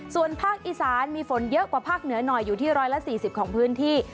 ส่วนภาคอีสานมีฝนเยอะกว่าภาคเหนือหน่อยอยู่ที่๑๔๐ของพื้นที่